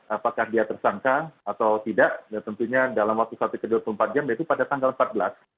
apakah dia tersangka atau tidak tentunya dalam waktu satu x dua puluh empat jam yaitu pada tanggal empat belas